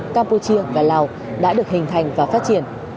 campuchia và lào đã được hình thành và phát triển